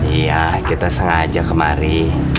iya kita sengaja kemari